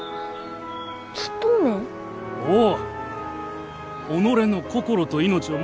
おう！